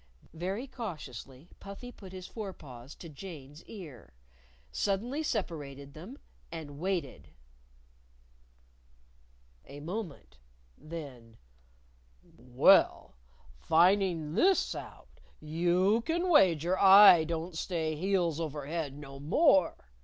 Very cautiously Puffy put his fore paws to Jane's ear suddenly separated them and waited. A moment. Then, "Well, finding this out, you can wager I don't stay heels over head no more!"